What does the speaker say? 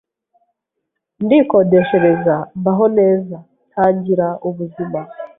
ndikodeshereza mbaho neza ntangira ubuzima